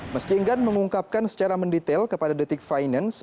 meski enggan mengungkapkan secara mendetail kepada detik finance